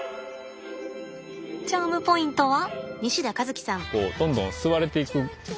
チャームポイントは？